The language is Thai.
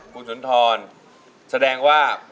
คุณสุนทรแสดงว่า